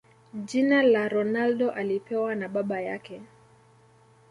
Jina la Ronaldo alipewa na baba yake